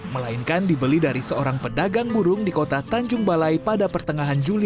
melainkan dibeli dari seorang pedagang burung di kota tanjung balai pada pertengahan juli dua ribu dua puluh satu